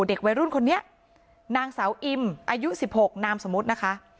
เด็กวัยรุ่นคนนี้นางสาวอิมอายุ๑๖นามสมมุตินะคะ